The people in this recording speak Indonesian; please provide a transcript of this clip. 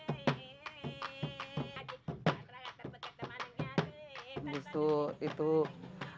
bisu adalah seorang jenis manusia yang berkekuatan dan berkekuatan untuk mencapai kekecewaan secara teknis dan berkekuatan untuk mencapai kekecewaan